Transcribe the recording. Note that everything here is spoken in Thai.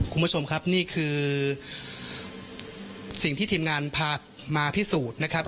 คุณผู้ชมครับนี่คือสิ่งที่ทีมงานพามาพิสูจน์นะครับ